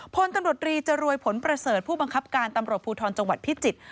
พลตำรวจรีจรวยผลประเสริฐผู้บังคับการตำรวจภูทรจังหวัดพิจิตร